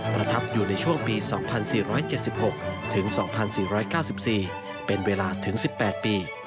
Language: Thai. ประทับอยู่ในช่วงปี๒๔๗๖ถึง๒๔๙๔เป็นเวลาถึง๑๘ปี